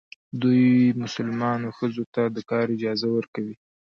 دوی مسلمانان ښځو ته د کار اجازه ورکوي.